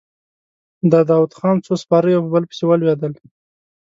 د داوودخان څو سپاره يو په بل پسې ولوېدل.